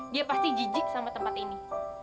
dia pasti jijik sama tempat ini